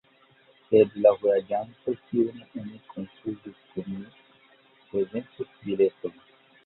Sed la vojaĝanto, kiun oni konfuzis kun mi, prezentis bileton.